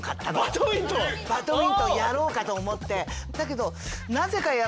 バドミントンやろうかと思って。